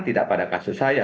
tidak pada kasus saya